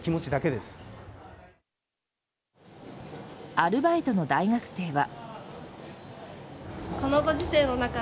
アルバイトの大学生は。